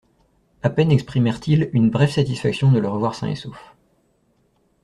A peine exprimèrent-ils une brève satisfaction de le revoir sain et sauf.